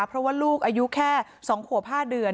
เพราะลูกอายุ๒ขวบ๕เดือน